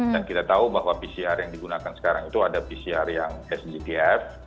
dan kita tahu bahwa pcr yang digunakan sekarang itu ada pcr yang sgtf